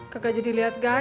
kagak jadi liat gajah